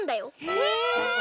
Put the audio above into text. え